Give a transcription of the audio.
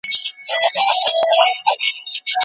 د سياسي پوهي زده کړه به لا زياته سي.